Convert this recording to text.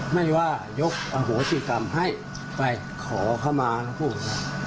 ไม่ได้ว่ายกอโหสิกรรมให้ไปขอเข้ามาแล้วพูด